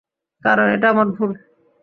কারণ, এটা আমার ভুল!